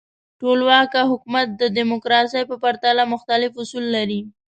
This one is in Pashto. ټولواک حکومت د دموکراسۍ په پرتله مختلف اصول لري.